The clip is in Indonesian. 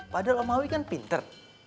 padahal om awi kan pinter